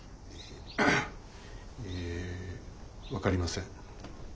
ええ分かりません。